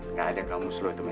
nggak ada kamus lo itu men